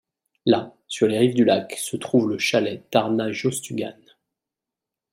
Là, sur les rives du lac se trouve le chalet Tärnasjöstugan.